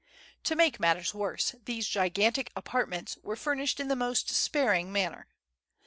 To make matters worse, these gigantic apartments were furnished in the most sparing manner.